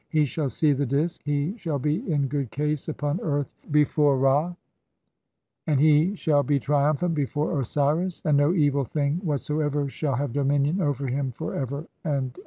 [HE] SHALL SEE THE DISK, [HE] SHALL BE IN GOOD CASE UPON EARTH BEFORE RA, AND HE SHALL BE TRIUMPHANT BEFORE OSIRIS, AND NO EVIL THING WHATSOEVER SHALL HAVE DOMINION OVER HIM FOR EVER AND EVER.